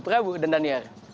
pria bu dan dania